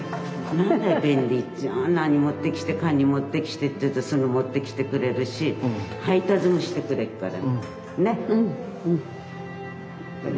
何持ってきてかに持ってきてって言うとすぐ持ってきてくれるし配達もしてくれっから。ね！